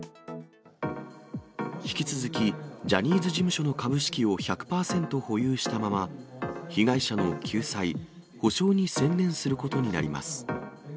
引き続き、ジャニーズ事務所の株式を１００％保有したまま、被害者の救済、補償に専念することになります。